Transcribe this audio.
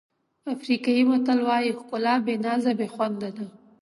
افریقایي متل وایي ښکلا بې نازه بې خونده ده.